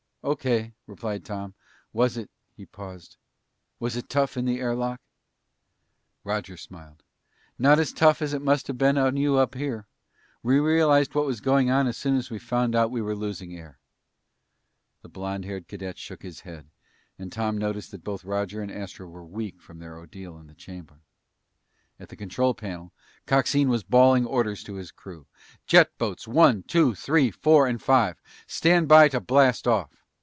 "O.K.," replied Tom. "Was it" he paused "was it tough in the air lock?" Roger smiled. "Not as tough as it must have been on you up here. We realized what was going on as soon as we found out we were losing air." The blond haired cadet shook his head and Tom noticed that both Roger and Astro were weak from their ordeal in the chamber. At the control panel, Coxine was bawling orders to his crew. "Jet boats one, two, three, four, and five! Stand by to blast off!"